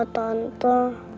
tidak apa apa tante